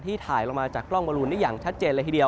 ที่ถ่ายลงมาจากกล้องบรูนได้อย่างชัดเจน